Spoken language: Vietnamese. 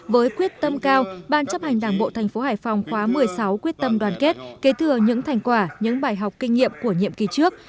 với quyết tâm cao ban chấp hành đảng bộ thành phố hải phòng khóa một mươi sáu quyết tâm đoàn kết kế thừa những thành quả những bài học kinh nghiệm của nhiệm kỳ trước